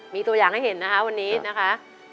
มีตัวอย่างให้เห็นนะคะวันนี้นะคะ